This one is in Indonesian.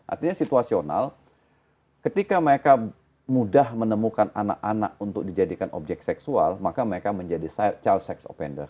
artinya situasional ketika mereka mudah menemukan anak anak untuk dijadikan objek seksual maka mereka menjadi child sex offender